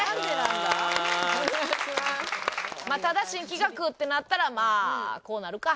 ただ新企画ってなったらまあこうなるか。